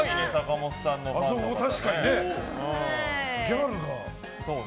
確かに、ギャルが。